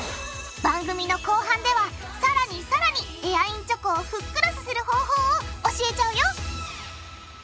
番組の後半ではさらにさらにエアインチョコをふっくらさせる方法を教えちゃうよ！